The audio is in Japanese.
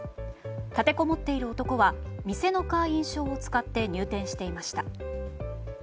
立てこもっている男は店の会員証を使って入店していました。